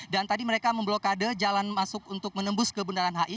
dan tadi mereka memblokade jalan masuk untuk menembus ke bundaran hi